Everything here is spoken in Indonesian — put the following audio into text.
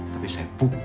tapi saya bukan komunis